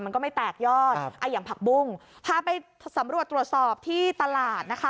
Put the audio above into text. มันก็ไม่แตกยอดอย่างผักบุ้งพาไปสำรวจตรวจสอบที่ตลาดนะคะ